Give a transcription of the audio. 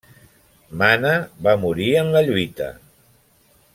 Mana va morir en la lluita.